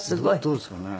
どうですかね？